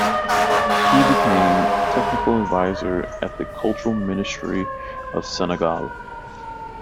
He became technical advisor at the Cultural Ministry of Senegal.